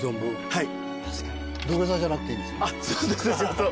はい。